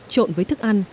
trộn với thức ăn